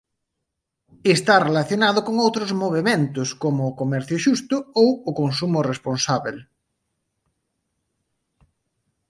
Está relacionado con outros movementos como o comercio xusto ou o consumo responsábel.